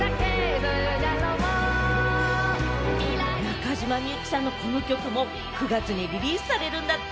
それがこ中島みゆきさんのこの曲も９月にリリースされるんだって。